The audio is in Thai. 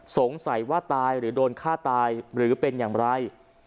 สงสัยว่าตายหรือโดนฆ่าตายหรือเป็นอย่างไร